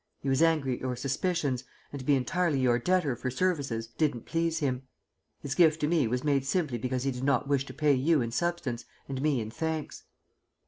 He was angry at your suspicions, and to be entirely your debtor for services didn't please him. His gift to me was made simply because he did not wish to pay you in substance and me in thanks."